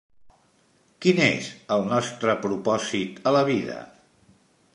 Quin és el nostre propòsit a la vida?